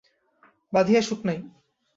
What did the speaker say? বাঁধিয়া সুখ নাই।